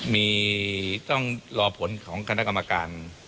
มีต้องรอผลของคณะกรรมการ